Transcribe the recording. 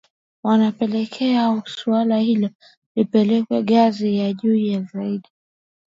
Wanapendelea suala hilo lipelekwe ngazi ya juu zaidi